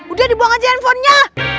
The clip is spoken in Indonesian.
udah dibuang aja handphonenya